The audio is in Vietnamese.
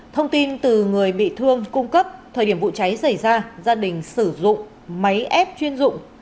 thông tin từ người bị thương cung cấp thời điểm vụ cháy xảy ra gia đình sử dụng máy ép chuyên dụng